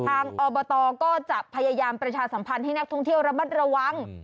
อบตก็จะพยายามประชาสัมพันธ์ให้นักท่องเที่ยวระมัดระวัง